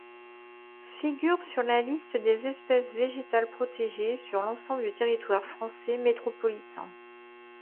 Figure sur la Liste des espèces végétales protégées sur l'ensemble du territoire français métropolitain.